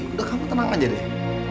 udah kamu tenang aja deh